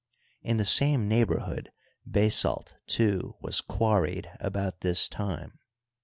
In the same neighborhood basalt, too, was quarried about this time.